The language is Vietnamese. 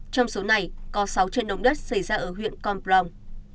trong số này có sáu trận động đất xảy ra ở huyện con plong